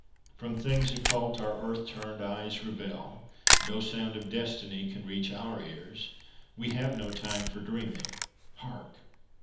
From things occult our earth turned eyes rebel; No sound of Destiny can reach our ears; We have no time for dreaming Hark!